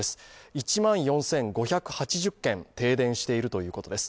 １万４５８０軒、停電しているということです。